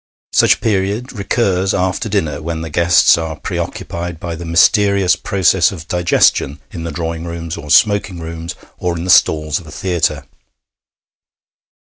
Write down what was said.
Such a period recurs after dinner when the guests are preoccupied by the mysterious processes of digestion in the drawing rooms or smoking rooms or in the stalls of a theatre.